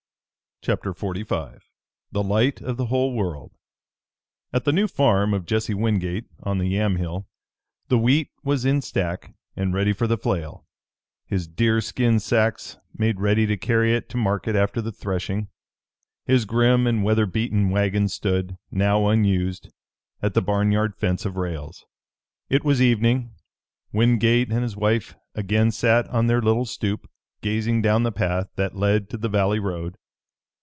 CHAPTER XLV THE LIGHT OF THE WHOLE WORLD At the new farm of Jesse Wingate on the Yamhill the wheat was in stack and ready for the flail, his deer skin sacks made ready to carry it to market after the threshing. His grim and weather beaten wagon stood, now unused, at the barnyard fence of rails. It was evening. Wingate and his wife again sat on their little stoop, gazing down the path that led to the valley road.